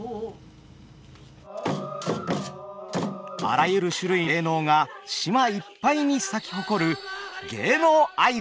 あらゆる種類の芸能が島いっぱいに咲き誇る